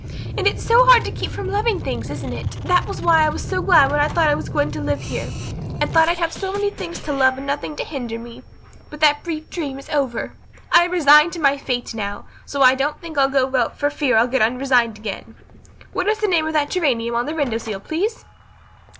And it's so hard to keep from loving things, isn't it? That was why I was so glad when I thought I was going to live here. I thought I'd have so many things to love and nothing to hinder me. But that brief dream is over. I am resigned to my fate now, so I don't think I'll go out for fear I'll get unresigned again. What is the name of that geranium on the window sill, please?"